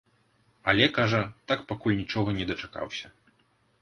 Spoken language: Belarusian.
Але, кажа, так пакуль нічога не дачакаўся.